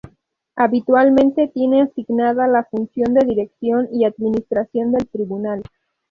Habitualmente tiene asignada la función de dirección y administración del tribunal.